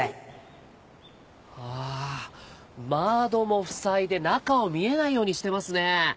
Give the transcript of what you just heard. ああ窓も塞いで中を見えないようにしてますね。